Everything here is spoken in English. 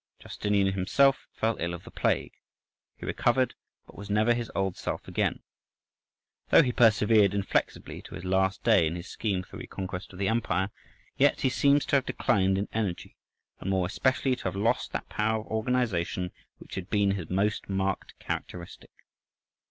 (12) Justinian himself fell ill of the plague: he recovered, but was never his old self again. Though he persevered inflexibly to his last day in his scheme for the reconquest of the empire, yet he seems to have declined in energy, and more especially to have lost that power of organization, which had been his most marked characteristic.